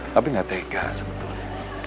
tapi gak tega sebetulnya